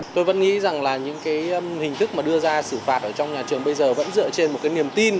tôi vẫn nghĩ rằng những hình thức đưa ra xử phạt trong nhà trường bây giờ vẫn dựa trên một niềm tin